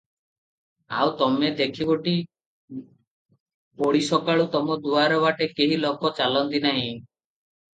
ଆଉ ତମେ ଦେଖିବଟି, ବଡ଼ିସକାଳୁ ତମ ଦୁଆର ବାଟେ କେହି ଲୋକ ଚାଲନ୍ତି ନାହିଁ ।